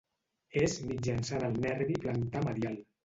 És mitjançant el nervi plantar medial.